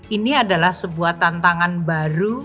ini adalah sebuah tantangan baru